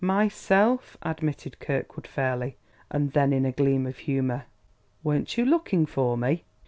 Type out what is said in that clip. "Myself," admitted Kirkwood fairly; and then, in a gleam of humor: "Weren't you looking for me?"